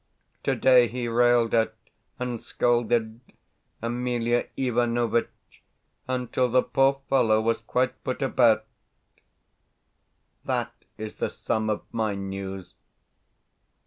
Today he railed at and scolded Emelia Ivanovitch until the poor fellow was quite put about. That is the sum of my news.